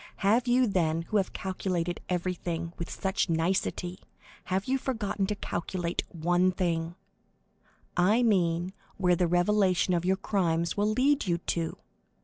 Have you, then, who have calculated everything with such nicety, have you forgotten to calculate one thing—I mean where the revelation of your crimes will lead you to?